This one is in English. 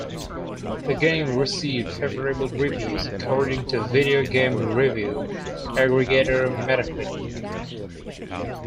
The game received "favorable" reviews according to video game review aggregator Metacritic.